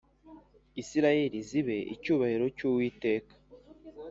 isirayeli xibe icyubahiro cy’uwiteka